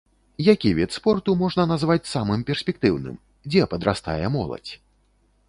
Які від спорту можна назваць самым перспектыўным, дзе падрастае моладзь?